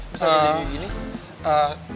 misalnya jadi begini